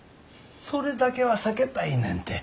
それだけは避けたいねんて。